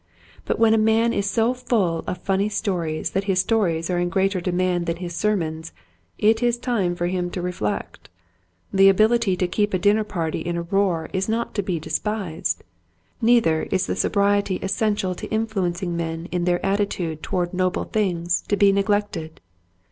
But when a man is so full of funny stories that his stories are in greater demand than his sermons it is time for him to reflect. The ability to keep a dinner party in a roar is not to be despised ; neither is the sobriety essential to influencing men in their attitude toward noble things to be neglected.